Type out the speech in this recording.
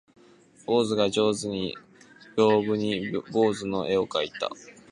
坊主が上手に屏風に坊主の絵を描いた